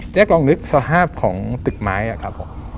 แจ๊คลองนึกสภาพของตึกไม้ครับ